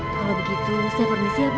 kalau begitu saya pernisi ya bu